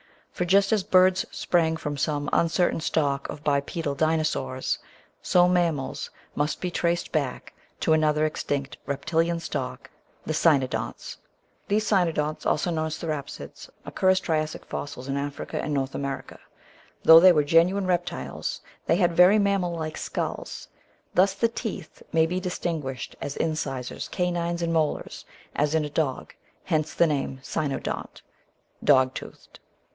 For just as Birds sprang from some un certain stock of bipedal Dinosaurs, so Mammals must be traced back to another extinct Reptilian stock — the Cjmodonts. These Cynodonts (also known as Therapsids) occur as Triassic fossils in Africa and North America; though they were genuine rep tiles they had very mammal like skulls (see figure facing p. 454). Thus the teeth may be distinguished as incisors, canines, and molars, as in a dog; hence the name Cynodont, "dog toothed."